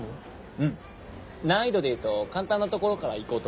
うん難易度で言うと簡単なところからいこうと思って。